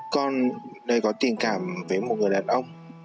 con đây có tình cảm với một người đàn ông